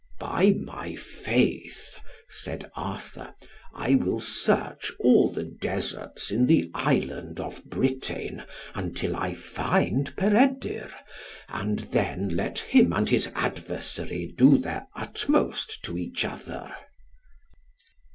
"By my faith," said Arthur, "I will search all the deserts in the island of Britain, until I find Peredur, and then let him and his adversary do their utmost to each other."